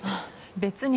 別に。